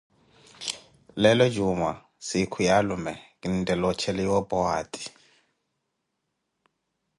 leelo juumwa, siikhu ya alume, kineettela ocheliwa o powaati.